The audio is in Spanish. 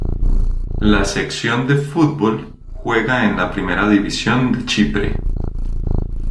La sección de fútbol juega en la Primera División de Chipre.